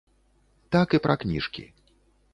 Так і пра кніжкі.